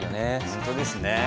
本当ですね。